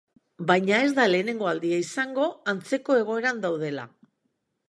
Baina, ez da lehen aldia izango antzeko egoeran daudela.